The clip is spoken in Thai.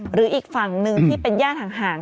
หรืออีกฝั่งหนึ่งที่เป็นญาติห่าง